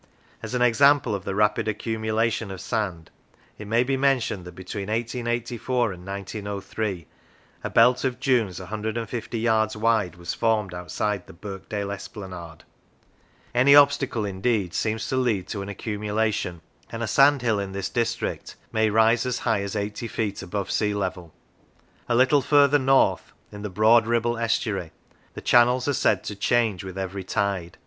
As an example of the rapid accumulation of sand it may be mentioned that between 1884 and 1903, a belt of dunes a hundred and fifty yards wide was formed outside the Birkdale esplanade. Any 34 Physical Structure obstacle, indeed, seems to lead to an accumulation, and a sandhill in this district may rise as high as eighty feet above sea level. A little further north, in the broad Ribble estuary, the channels are said to change with every tide.